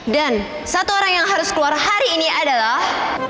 dan satu orang yang harus keluar hari ini adalah